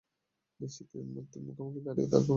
নিশ্চিত মৃত্যুর মুখোমুখি দাঁড়িয়েও তাঁর নেই কোন ব্যাকুলতা।